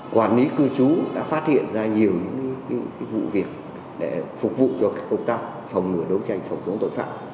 quản lý cư trú đã phát hiện ra nhiều những vụ việc để phục vụ cho công tác phòng ngừa đấu tranh phòng chống tội phạm